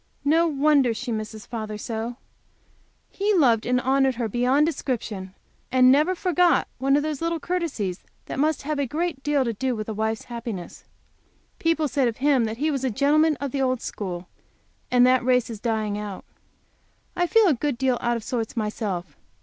No wonder she misses father so! He loved and honored her beyond description, and never forgot one of those little courtesies which must have a great deal to do with a wife's happiness. People said of him that he was a gentleman of the old school, and that race is dying out. I feel a good deal out of sorts myself.